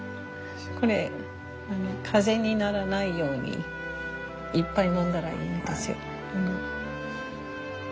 これ風邪にならないようにいっぱい飲んだらいいんですよ。